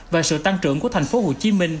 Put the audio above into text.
và sự tăng trưởng của thành phố hồ chí minh